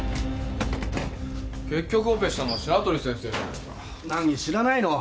結局オペしたのは白鳥先生じゃないか知らないの？